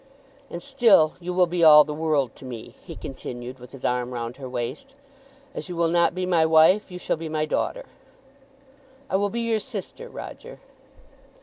"And still you will be all the world to me," he continued, with his arm round her waist. "As you will not be my wife, you shall be my daughter." "I will be your sister, Roger."